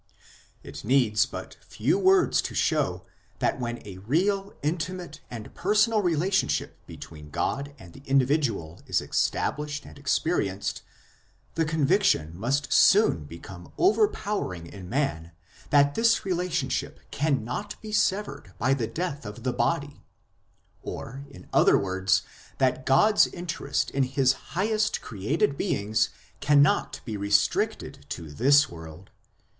It needs but few words to show that when a real, intimate, and personal relationship between God and the individual is established and experienced, the conviction must soon become overpowering in man that this relationship cannot be severed by the death of the body ; or, in other words, that God s interest in His highest created beings cannot be restricted to this world.